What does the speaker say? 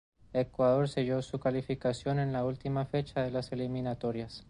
Ecuador selló su clasificación en la última fecha de las eliminatorias.